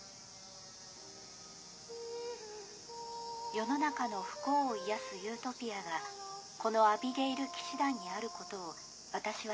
「世の中の不幸を癒やすユートピアがこのアビゲイル騎士団にある事を私は知りました」